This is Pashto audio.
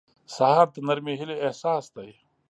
سهار د نرمې هیلې احساس دی.